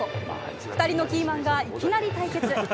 ２人のキーマンがいきなり対決。